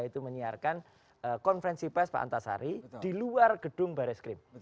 itu menyiarkan konferensi pes pak antasari di luar gedung baris krim